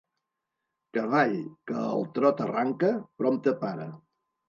Cavall que al trot arranca, prompte para.